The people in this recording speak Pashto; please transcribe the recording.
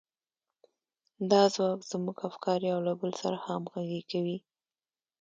دا ځواک زموږ افکار يو له بل سره همغږي کوي.